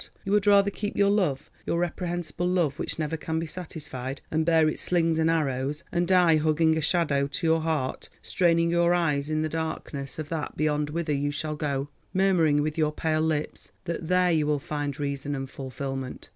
you would rather keep your love, your reprehensible love which never can be satisfied, and bear its slings and arrows, and die hugging a shadow to your heart, straining your eyes into the darkness of that beyond whither you shall go—murmuring with your pale lips that there you will find reason and fulfilment?